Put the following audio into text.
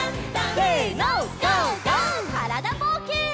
からだぼうけん。